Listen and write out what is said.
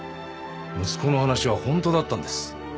息子の話はホントだったんです。